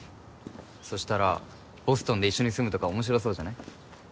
そしたらボストンで一緒に住むとか面白そうじゃない？